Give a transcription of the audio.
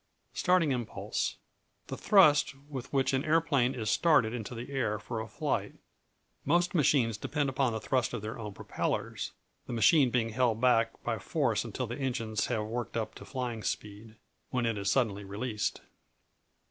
Starting Impulse The thrust with which an aeroplane is started into the air for a flight. Most machines depend upon the thrust of their own propellers, the machine being held back by force until the engines have worked up to flying speed, when it is suddenly released.